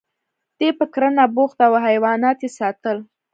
دی په کرنه بوخت و او حیوانات یې ساتل